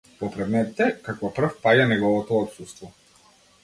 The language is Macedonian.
По предметите, како прав, паѓа неговото отсуство.